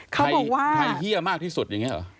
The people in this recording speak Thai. ใครเฮียมากที่สุดอย่างนี้เหรอ